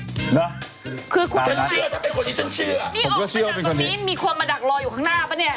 จะจะจะเป็นคนที่ฉันเชื่อนี่อ่าจากตอนนี้มีความมาดักรออยู่ข้างหน้าปะเนี้ย